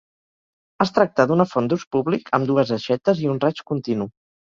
Es tracta d'una font d'ús públic amb dues aixetes i un raig continu.